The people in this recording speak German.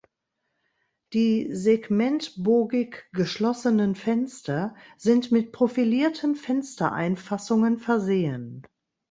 Die segmentbogig geschlossenen Fenster sind mit profilierten Fenstereinfassungen versehen.